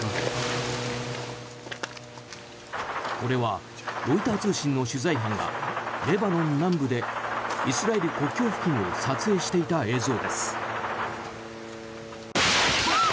これはロイター通信の取材班がレバノン南部でイスラエル国境付近を撮影していた映像です。